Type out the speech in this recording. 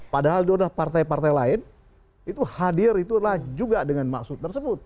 padahal itu adalah partai partai lain itu hadir itulah juga dengan maksud tersebut